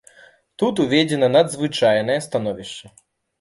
Тут уведзена надзвычайнае становішча.